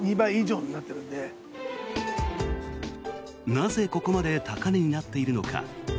なぜここまで高値になっているのか。